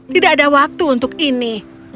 tidak ada waktu untuk ini